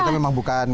kita memang bukan